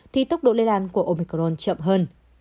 thì tốc độ lây lan của omicron chậm hơn